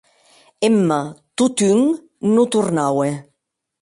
Emma, totun, non tornaue.